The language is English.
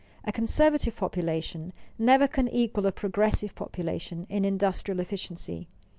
A conservative population never can equal a progressive population in industrial efficiency.